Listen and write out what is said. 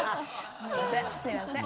すいません。